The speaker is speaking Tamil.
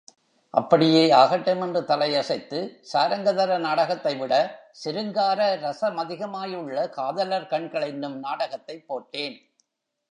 அப்படியே ஆகட்டும் என்று தலையசைத்து, சாரங்கதர நாடகத்தைவிடச் சிருங்கார ரசமதிகமாயுள்ள காதலர் கண்கள் என்னும் நாடகத்தைப் போட்டேன்!